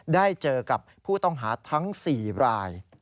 ได้เจอกับผู้ต้องหาทั้ง๔ราย